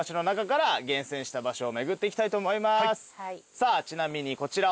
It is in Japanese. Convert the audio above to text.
さあちなみにこちらは？